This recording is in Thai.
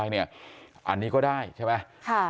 อันนี้ก็ได้ใช่ไหม